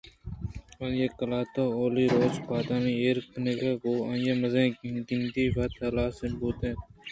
آئی ءِ قلاتءَ اولی روچ ءَ پادانی ایر کنگ ءَ گوں آئی ءِ مزن گندی وت ہلاس بوت اَنت